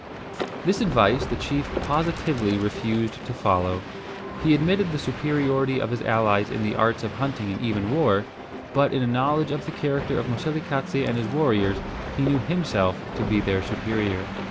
This advice the chief positively refused to follow. He admitted the superiority of his allies in the arts of hunting and even war, but in a knowledge of the character of Moselekatse and his warriors he knew himself to be their superior.